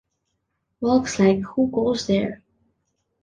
Works like Who Goes There?